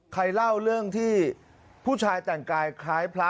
ใครเล่าเรื่องที่ผู้ชายแต่งกายคล้ายพระ